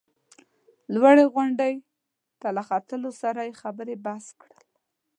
لوړې غونډۍ ته له ختو سره یې خبرې بس کړل.